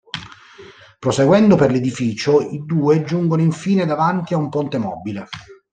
Proseguendo per l'edificio i due giungono infine davanti a un ponte mobile.